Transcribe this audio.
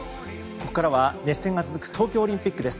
ここからは熱戦が続く東京オリンピックです。